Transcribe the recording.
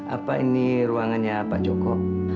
apa ini ruangannya pak joko